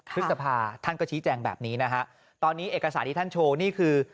พฤษภาท่านก็ชี้แจงแบบนี้นะฮะตอนนี้เอกสารที่ท่านโชว์นี่คือ